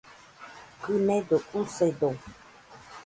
Kɨnedo, usedo